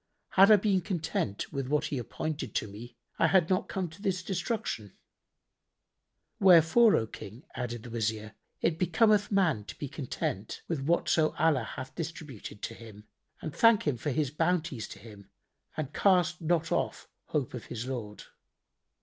Had I been content with what He appointed to me, I had not come to destruction." "Wherefore, O King," added the Wazir, "it becometh man to be content with whatso Allah hath distributed to him and thank Him for His bounties to him and cast not off hope of his Lord.